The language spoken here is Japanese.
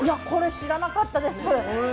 これ知らなかったです。